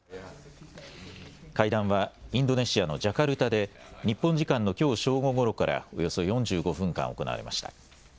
会談はインドネシアのジャカルタで日本時間のきょう正午ごろからおよそ４５分間、行われました。